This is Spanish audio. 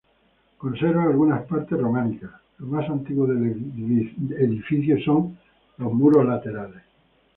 Conserva algunas partes románicas, lo más antiguo del edificio son sus muros laterales.